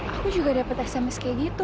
aku juga dapat sms kayak gitu